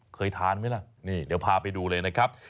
เคยทานไหมล่ะนี่เดี๋ยวพาไปดูเลยนะครับ